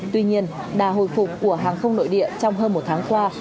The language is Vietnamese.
tuy nhiên đà hồi phục của hàng không nội địa trong hơn một tháng qua